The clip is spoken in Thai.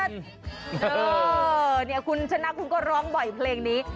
เออเนี่ยคุณชนะคุณก็ร้องบ่อยเพลงนี้